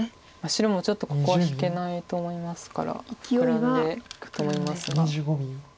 白もちょっとここは引けないと思いますからフクラんでいくと思いますが。